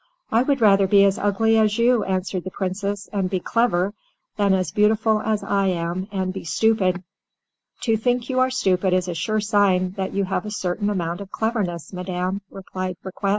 "I would rather be as ugly as you," answered the Princess, "and be clever, than as beautiful as I am, and be stupid." "To think you are stupid is a sure sign that you have a certain amount of cleverness, madam," replied Riquet.